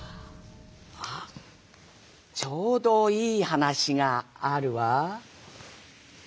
あっちょうどいい話があるわ。